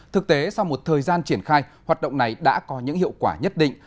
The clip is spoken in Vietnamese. thực tế sau một thời gian triển khai hoạt động này đã có những hiệu quả nhất định